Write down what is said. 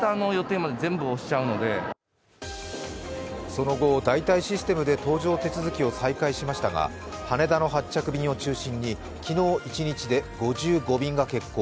その後、代替システムで搭乗手続きを再開しましたが羽田の発着便を中心に昨日一日で５５便が欠航。